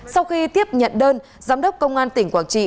sau khi tiếp nhận đơn giám đốc công an tỉnh quảng trị